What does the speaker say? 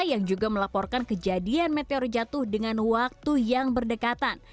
yang juga melaporkan kejadian meteor jatuh dengan waktu yang berdekatan